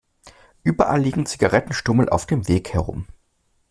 Überall liegen Zigarettenstummel auf dem Weg herum.